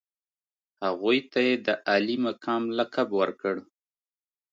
هغوی ته یې د عالي مقام لقب ورکړ.